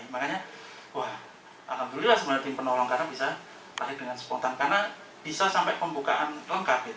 makanya wah alhamdulillah sebenarnya tim penolong karena bisa tarik dengan spontan karena bisa sampai pembukaan lengkap